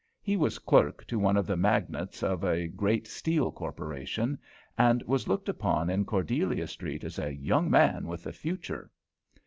He was clerk to one of the magnates of a great steel corporation, and was looked upon in Cordelia Street as a young man with a future.